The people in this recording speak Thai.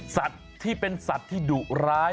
สัตว์ที่เป็นสัตว์ที่ดุร้าย